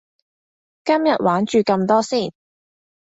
今日玩住咁多先